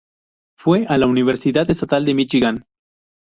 Fue a la Universidad Estatal de Michigan.